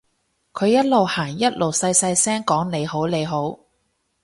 佢一路行一路細細聲講你好你好